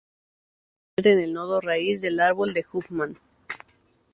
Este último nodo se convierte en el nodo raíz del árbol de Huffman.